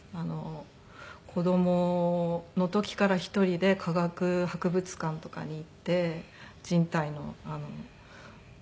子供の時から１人で科学博物館とかに行って人体のフフ。